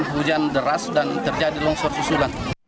hujan deras dan terjadi longsor susulan